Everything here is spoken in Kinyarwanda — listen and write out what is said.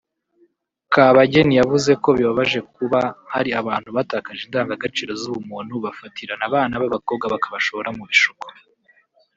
Kabageni yavuze ko bibabaje kuba hari abantu batakaje indangagaciro z’ubumuntu bafatirana abana b’abakobwa bakabashora mu bishuko